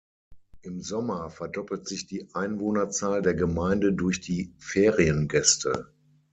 Im Sommer verdoppelt sich die Einwohnerzahl der Gemeinde durch die Feriengäste.